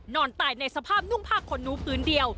นอนตายในสภาพนุ่งผ้าขนหนูพื้นเดียว